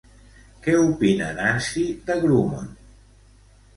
Què opina Nancy de Grummond?